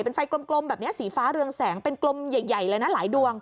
เป็นไฟกลมแบบนี้สีฟ้าเรืองแสงเป็นกลมใหญ่เลยนะหลายดวง